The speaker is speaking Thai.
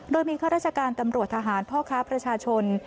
โดยมีข้าราชการตำรวจทหารพ่อค้าประชาชน